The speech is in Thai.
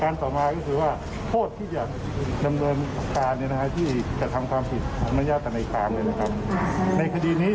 เรายังไม่ได้ตรวจสอบอะไร